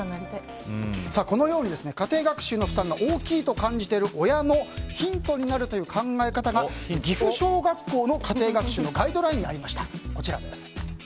このように家庭学習の負担が大きいと感じている親のヒントになるという考え方が岐阜小学校の家庭学習のガイドラインにありました。